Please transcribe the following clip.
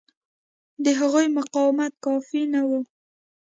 د هغوی مقاومت کافي نه و.